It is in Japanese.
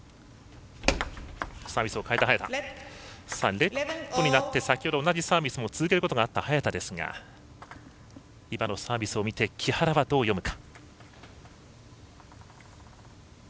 レッドになって先ほどは同じサービスを続けることがあった早田ですが今のサービスを見て木原はどう読むか。